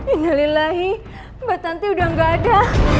inhalillahi mbak tanti udah gak ada